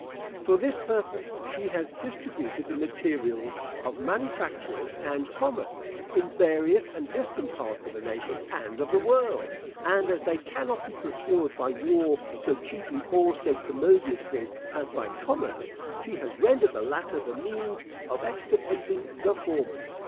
For this purpose she has distributed the materials of manufactures and commerce, in various and distant parts of a nation and of the world; and as they cannot be procured by war so cheaply or so commodiously as by commerce, she has rendered the latter the means of extirpating the former.